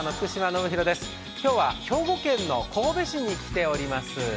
今日は兵庫県神戸市に来ております。